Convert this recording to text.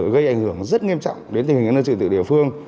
gây ảnh hưởng rất nghiêm trọng đến tình hình nhân sự tự địa phương